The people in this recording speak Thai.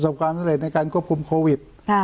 ความสำเร็จในการควบคุมโควิด